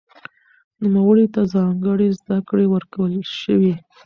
نوموړي ته ځانګړې زده کړې ورکړل شوې.